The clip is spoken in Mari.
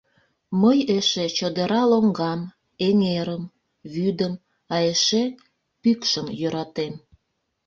Мый эше чодыра лоҥгам, эҥерым, вӱдым, а эше... пӱкшым йӧратем.